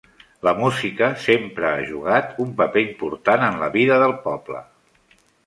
La música sempre ha jugat un paper important en la vida del poble.